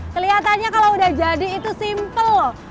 kelihatannya kalau sudah jadi itu simple loh